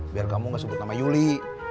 biar kamu gak sebut nama yuli